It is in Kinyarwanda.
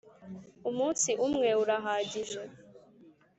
Umunsi umwe urahagije.